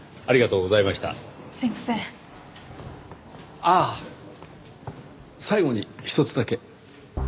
ああ最後にひとつだけ。